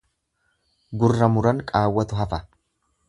Gurra muran qaawwaatu hafa.